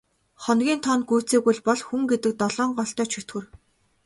Хоногийн тоо нь гүйцээгүй л бол хүн гэдэг долоон голтой чөтгөр.